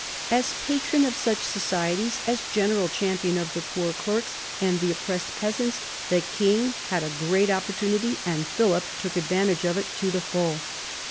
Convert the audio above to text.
As patron of such societies, as general champion of the poor clerks and the oppressed peasants, the king had a great opportunity, and Philip took advantage of it to the full.